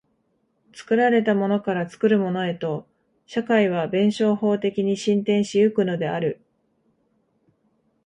作られたものから作るものへと、社会は弁証法的に進展し行くのである。